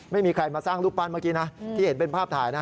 ไม่มีใครมาสร้างรูปปั้นเมื่อกี้นะที่เห็นเป็นภาพถ่ายนะ